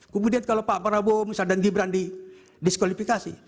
kemudian kalau pak prabowo misalnya dan gibran didiskualifikasi